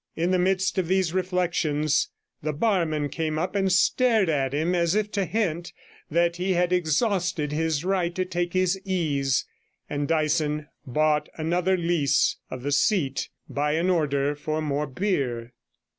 In the midst of these reflections the barman came up and stared at him as if to hint that he had exhausted his right to take his ease, and Dyson bought another lease of the 129 seat by an order for more beer.